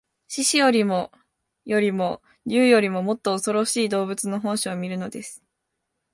獅子よりも鰐よりも竜よりも、もっとおそろしい動物の本性を見るのです